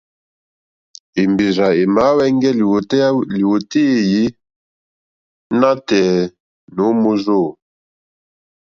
Èmbèrzà èmàáhwɛ́ŋgɛ́ lìwòtéyá éèyé nǎtɛ̀ɛ̀ nǒ mòrzô.